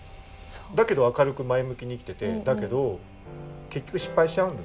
だけど明るく前向きに生きててだけど結局失敗しちゃうんですね。